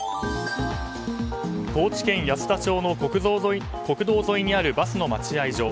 高知県安田町の国道沿いにあるバスの待合所。